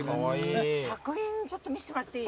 作品ちょっと見してもらっていい？